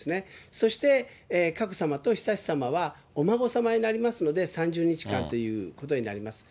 そして佳子さまと悠仁さまは、お孫さまになりますので、３０日間ということになります。